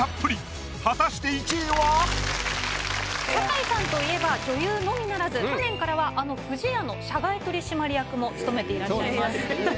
皆さんに酒井さんといえば女優のみならず去年からはあの「不二家」の社外取締役も務めていらっしゃいます。